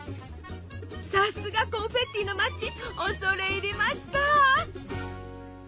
さすがコンフェッティの町恐れ入りました！